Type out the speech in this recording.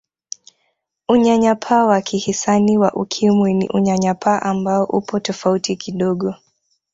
Unyanyapaa wa kihisani wa Ukimwi ni Unyanyapaa ambao upo tofauti kidogo